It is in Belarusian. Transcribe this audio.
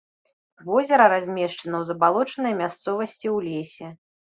Возера размешчана ў забалочанай мясцовасці ў лесе.